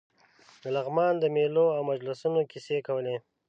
د لغمان د مېلو او مجلسونو کیسې کولې.